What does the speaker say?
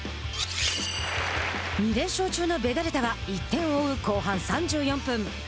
２連勝中のベガルタは１点を追う後半３４分。